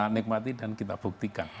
nikmati dan kita buktikan